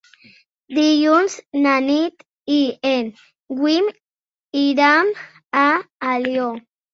Dilluns na Nit i en Guim iran a Alió.